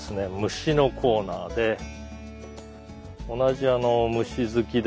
虫のコーナーで同じ虫好きでもですね